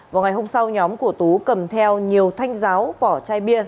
vào ngày hôm sau nhóm của tú cầm theo nhiều thanh giáo vỏ chai bia